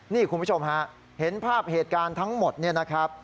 นี่คุณผู้ชมฮะเห็นภาพเหตุการณ์ทั้งหมดเนี่ยนะครับ